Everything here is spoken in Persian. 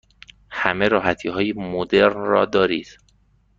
همه راحتی های مدرن را دارید؟